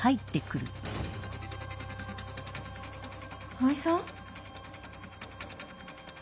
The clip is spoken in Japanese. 葵さん？